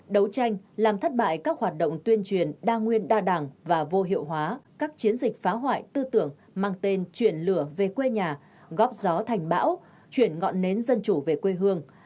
đấu tranh làm thất bại các hoạt động tuyên truyền đa nguyên đa đảng và vô hiệu hóa các chiến dịch phá hoại tư tưởng mang tên chuyển lửa về quê nhà góp gió thành bão chuyển ngọn nến dân chủ về quê hương